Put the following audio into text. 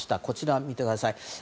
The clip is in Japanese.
こちらを見てください。